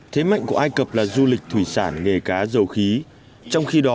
thế mạnh của ai cập là du lịch thủy sản nghề cá dầu khí trong khi đó